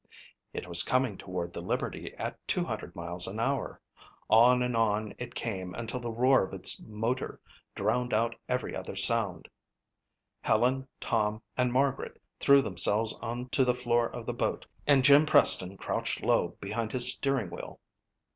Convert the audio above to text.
It was coming toward the Liberty at 200 miles an hour. On and on it came until the roar of its motor drowned out every other sound. Helen, Tom and Margaret threw themselves onto the floor of the boat and Jim Preston crouched low behind his steering wheel.